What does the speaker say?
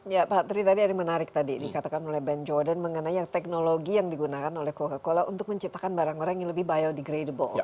ya pak tri tadi ada yang menarik tadi dikatakan oleh ben jordan mengenai teknologi yang digunakan oleh coca cola untuk menciptakan barang barang yang lebih biodegradable